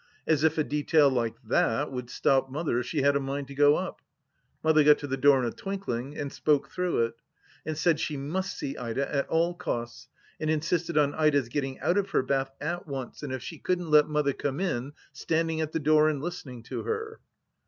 ... As if a detail like that would stop Mother if she had a mind to go up 1 Mother got to the door in a twinkling and spoke through it, and said she must see Ida at all costs, and insisted on Ida's getting out of her bath at once, and if she couldn't let Mother come in, standing at the door and listening to her.